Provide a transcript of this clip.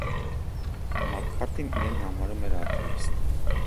Մաքքարթին իրեն համարում էր աթեիստ։